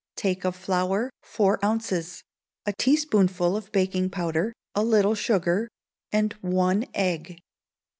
Take of flour, four ounces; a teaspoonful of baking powder; a little sugar, and one egg.